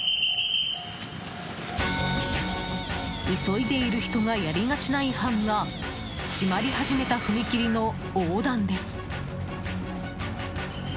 急いでいる人がやりがちな違反が閉まり始めた踏切の横断です。